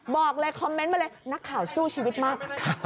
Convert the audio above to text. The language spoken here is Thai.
บอกเลยคอมเมนต์มาเลยนักข่าวสู้ชีวิตมาก